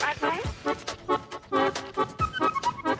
เอ้าคนรักอินทอล์ก